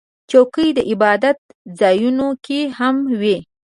چوکۍ د عبادت ځایونو کې هم وي.